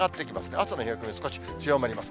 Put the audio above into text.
朝の冷え込み、少し強まります。